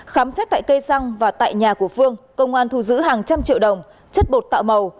khám xét tại cây xăng và tại nhà của phương công an thu giữ hàng trăm triệu đồng chất bột tạo màu